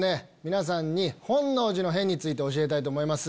皆さんに本能寺の変について教えたいと思います。